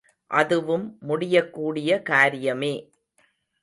அதுவும் முடியக்கூடிய காரியமே.